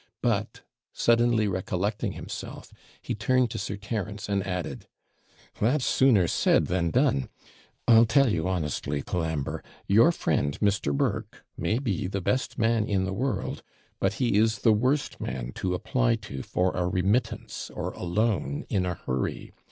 But, suddenly recollecting himself, he turned to Sir Terence, and added, 'That's sooner said than done I'll tell you honestly, Colambre, your friend Mr. Burke may be the best man in the world but he is the worst man to apply to for a remittance, or a loan, in a HURRY!